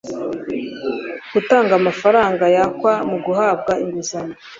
gutanga amafaranga yakwa mu guhabwa inguzanyo